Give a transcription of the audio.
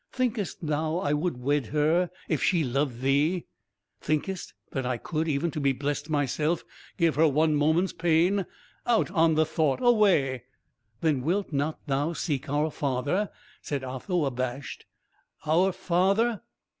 Thinkest thou I would wed her if she loved thee? Thinkest thou I could, even to be blessed myself, give her one moment's pain? Out on the thought away!" "Then wilt not thou seek our father?" said Otho, abashed. "Our father!